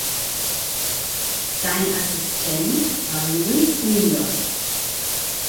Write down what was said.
Sein Assistent war Louis Milon.